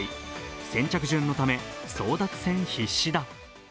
先着順のため、争奪戦必至だ。